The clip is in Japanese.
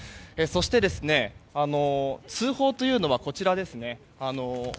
そして、通報というのはこちらですね